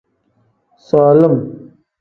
Solim.